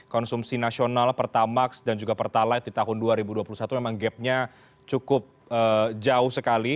konsumsi nasional pertamax dan juga pertalite di tahun dua ribu dua puluh satu memang gapnya cukup jauh sekali